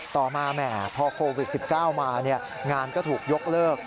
ต่อมาแหมพอโควิด๑๙มางานก็ถูกยกเลิก